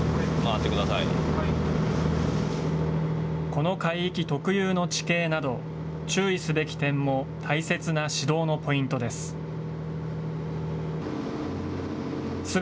この海域特有の地形など、注意すべき点も大切な指導のポイントです。